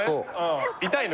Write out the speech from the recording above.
痛いの？